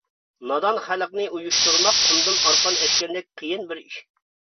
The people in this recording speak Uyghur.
نادان خەلقنى ئۇيۇشتۇرماق قۇمدىن ئارقان ئەشكەندەك قىيىن بىر ئىش.